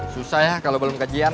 susah ya kalau belum kajian